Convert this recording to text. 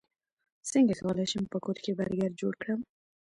څنګه کولی شم په کور کې برګر جوړ کړم